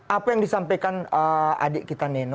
apa yang disampaikan adik kita neno